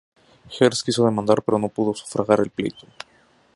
Herz quiso demandar, pero no pudo sufragar el pleito.